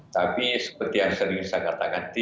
tapi seperti yang sering saya katakan